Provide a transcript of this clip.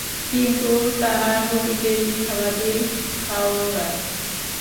কিন্তু তারা নবীকে মিথ্যাবাদী ঠাওরায়।